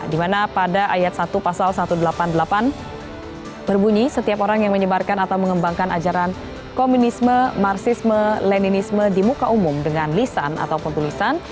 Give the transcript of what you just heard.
dimana pada ayat satu pasal satu ratus delapan puluh delapan berbunyi setiap orang yang menyebarkan atau mengembangkan ajaran komunisme marxisme leninisme di muka umum dengan lisan atau petulisan